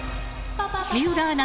水卜アナ